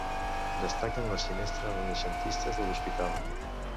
Destaquen les finestres renaixentistes de l'hospital.